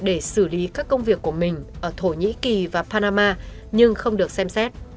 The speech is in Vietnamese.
để xử lý các công việc của mình ở thổ nhĩ kỳ và panama nhưng không được xem xét